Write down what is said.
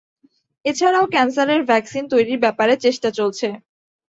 এছাড়াও ক্যান্সারের ভ্যাকসিন তৈরির ব্যাপারে চেষ্টা চলছে।